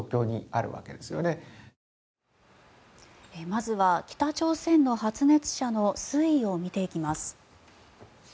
まずは北朝鮮の発熱者の推移を見ていきます。